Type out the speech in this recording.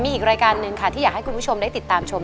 มีอีกรายการหนึ่งค่ะที่อยากให้คุณผู้ชมได้ติดตามชม